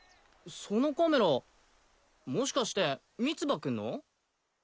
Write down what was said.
そのカメラもしかして三葉くんの？